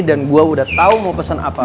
dan gue udah tau mau pesen apa